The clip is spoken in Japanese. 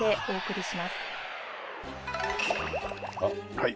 はい。